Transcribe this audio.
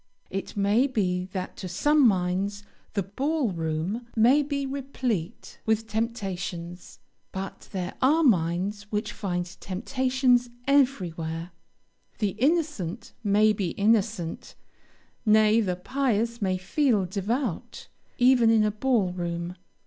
It may be that to some minds the ball room may be replete with temptations; but there are minds which find temptations everywhere. The innocent may be innocent, nay, the pious may feel devout, even in a ball room.